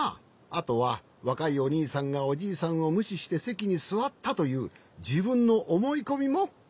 あとはわかいおにいさんがおじいさんをむししてせきにすわったというじぶんのおもいこみもいちめんじゃね。